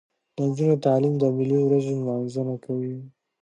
د نجونو تعلیم د ملي ورځو نمانځنه کوي.